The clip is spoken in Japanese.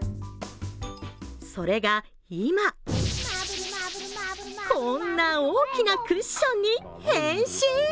それが今こんな大きなクッションに変身！